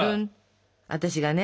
私がね